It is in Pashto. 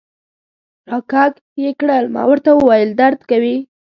را کږ یې کړل، ما ورته وویل: درد کوي.